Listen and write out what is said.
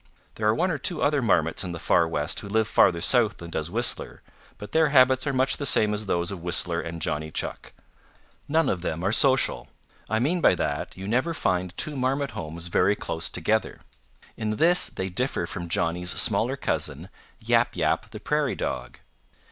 There are one or two other Marmots in the Far West who live farther south than does Whistler, but their habits are much the same as those of Whistler and Johnny Chuck. None of them are social. I mean by that you never find two Marmot homes very close together. In this they differ from Johnny's smaller cousin, Yap Yap the Prairie Dog.